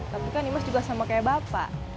tapi kan imas juga sama kayak bapak